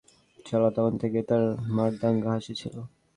শালা তখন থেকেই তার মারদাঙ্গা হাসি ছিল!